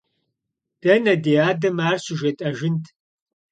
Дэнэ ди адэм ар щыжетӀэжынт!